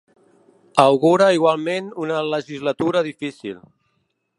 Augura igualment una legislatura difícil.